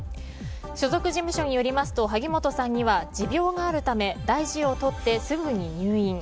所属事務所によりますと萩本さんには持病があるため大事を取って、すぐに入院。